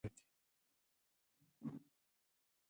د ملکي خدمتونو د فعالیت طرز هم بیان شوی دی.